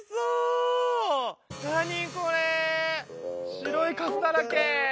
白いカスだらけ。